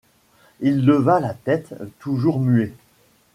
Il leva la tête, toujours muet.